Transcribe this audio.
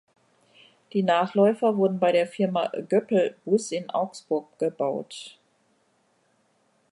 Die Nachläufer wurden bei der Firma Göppel Bus in Augsburg gebaut.